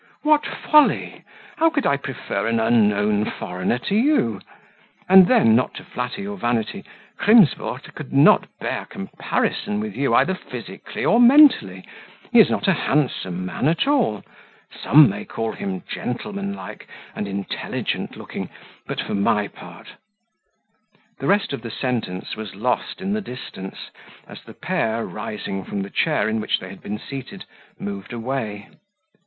"What folly! How could I prefer an unknown foreigner to you? And then not to flatter your vanity Crimsworth could not bear comparison with you either physically or mentally; he is not a handsome man at all; some may call him gentleman like and intelligent looking, but for my part " The rest of the sentence was lost in the distance, as the pair, rising from the chair in which they had been seated, moved away.